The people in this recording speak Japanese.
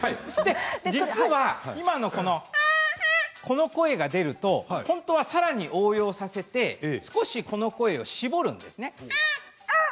実は、この声が出るとさらに応用させて少しこの声を絞るんですね。